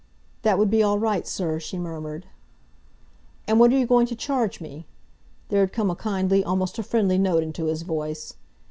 "That would be all right, sir," she murmured. "And what are you going to charge me?" There had come a kindly, almost a friendly note into his voice.